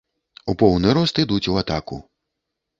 У поўны рост ідуць у атаку.